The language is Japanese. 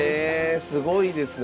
えすごいですね。